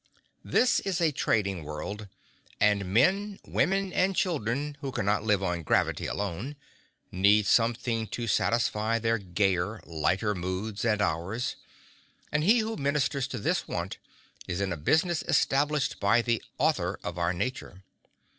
This is a trading world, and men, women and children, who cannot live on gravity alone, need something to satisfy their gayer, lighter moods and hours, and he who ministers to this want is in a business established by the Author of our nature.